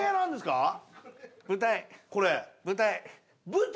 舞台？